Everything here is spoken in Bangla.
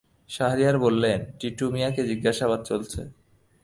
শাহরিয়ার বলেন, টিটু মিয়াকে জিজ্ঞাসাবাদ চলছে।